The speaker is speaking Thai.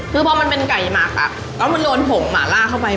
คือพอมันเป็นไก่หมากค่ะก็มันโดนผงหมาล่าเข้าไป